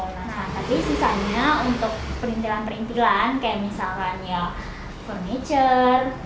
nah tapi sisanya untuk perintilan perintilan kayak misalkan ya furniture